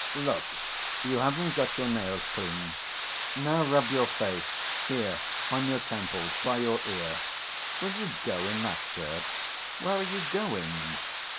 "Look, you haven't got your nails clean. Now rub your face; here, on your temples, by your ear.... Will you go in that shirt? Where are you going?